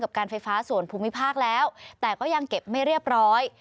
การไฟฟ้าส่วนภูมิภาคแล้วแต่ก็ยังเก็บไม่เรียบร้อย